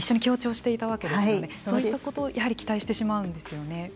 そういったことをやはり期待してしまうんですよね。